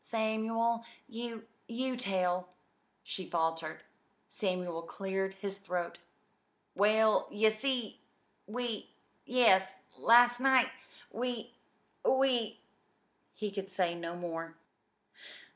"Samuel, you you tell," she faltered. Samuel cleared his throat. "Well, ye see, we yes, last night, we we " He could say no more.